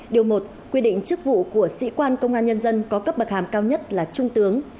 điều một quy định chức vụ của sĩ quan công an nhân dân có cấp bậc hàm cao nhất là trung tướng